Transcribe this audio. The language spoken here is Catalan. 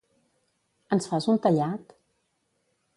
Ens fas un tallat?